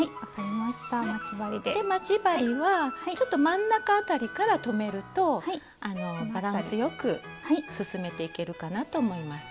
で待ち針はちょっと真ん中あたりから留めるとバランスよく進めていけるかなと思います。